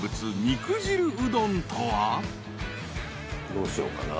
どうしようかな？